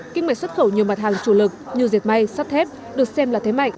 kinh mệnh xuất khẩu nhiều mặt hàng chủ lực như diệt may sắt thép được xem là thế mạnh